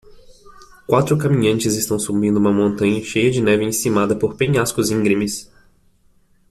Quatro caminhantes estão subindo uma montanha cheia de neve encimada por penhascos íngremes.